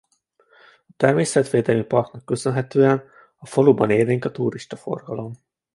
A természetvédelmi parknak köszönhetően a faluban élénk a turistaforgalom.